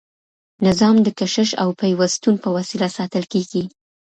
نظام د کشش او پیوستون په وسیله ساتل کیږي.